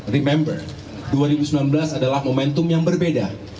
remember dua ribu sembilan belas adalah momentum yang berbeda